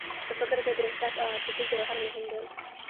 په فکر کې د احساس او عاطفې جوهر مهم دی